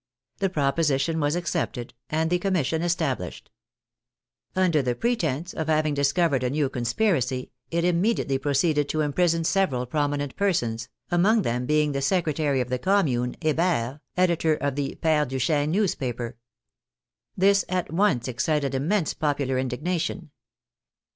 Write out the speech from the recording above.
The proposition was accepted, and the commission established. Under the pretence of having discovered a new conspiracy it immediately proceeded to imprison several prominent persons, among them being the secre tary of the Commune, Hebert, editor of the Pere Du chesne newspaper. This at once excited immense popu lar indignation.